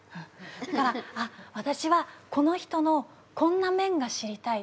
だから私はこの人のこんな面が知りたい